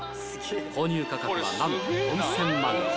購入価格はなんと４０００万円。